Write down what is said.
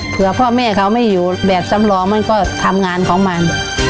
เพื่อพ่อแม่เขาไม่อยู่แบบสำรองมันก็ทำงานของมัน